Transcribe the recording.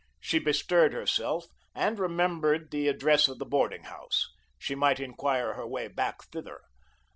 She bestirred herself, and remembered the address of the boarding house. She might inquire her way back thither.